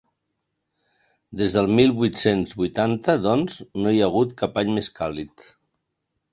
Des del mil vuit-cents vuitanta, doncs, no hi ha hagut cap any més càlid.